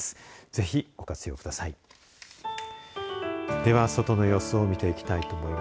ぜひご活用ください。